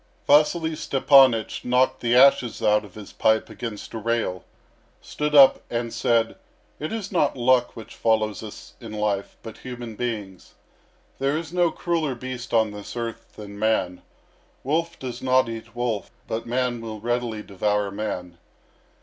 Vasily Stepanych knocked the ashes out of his pipe against a rail, stood up, and said: "It is not luck which follows us in life, but human beings. There is no crueller beast on this earth than man. Wolf does not eat wolf, but man will readily devour man."